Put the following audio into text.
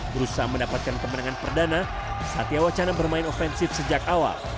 berusaha mendapatkan kemenangan perdana satya wacana bermain ofensif sejak awal